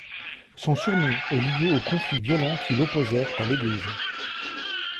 Son surnom est lié aux conflits violents qui l'opposèrent à l'Église.